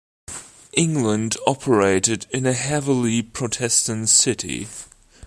England operated in a heavily Protestant city.